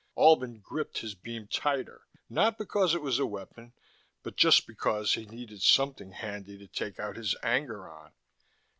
Albin gripped his beam tighter, not because it was a weapon but just because he needed something handy to take out his anger on.